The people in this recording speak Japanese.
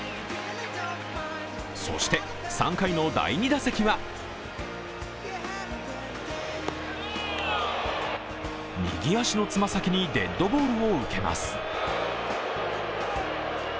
そして、３回の第２打席は右足の爪先にデッドボールを受けます。